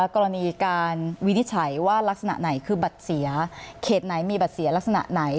กรณีการวินิจฉัยว่ารักษณะไหนคือบัตรเสียเขตไหนมีบัตรเสียลักษณะไหน